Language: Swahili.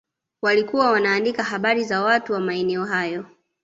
Walikuwa wanaandika habari za watu wa maeneo hayo